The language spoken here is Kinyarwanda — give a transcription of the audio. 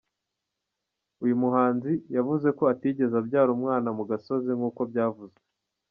Uyu muhanzi yavuze ko atizegeze abyara umwana mu gasozi nk’uko byavuzwe.